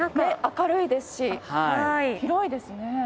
明るいですし広いですね。